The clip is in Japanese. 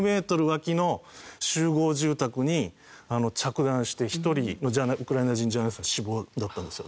脇の集合住宅に着弾して１人ウクライナ人ジャーナリストが死亡だったんですよ。